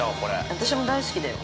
◆私も大好きだよ。